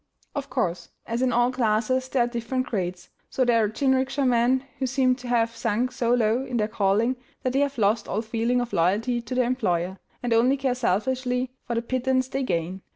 Of course, as in all classes there are different grades, so there are jinrikisha men who seem to have sunk so low in their calling that they have lost all feeling of loyalty to their employer, and only care selfishly for the pittance they gain.